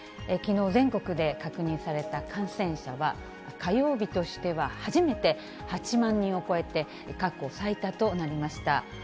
きのう全国で確認された感染者は、火曜日としては初めて８万人を超えて、過去最多となりました。